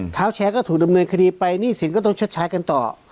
เท้าแชร์ก็ถูกดำเนินคดีไปหนี้สินก็ต้องชดใช้กันต่อ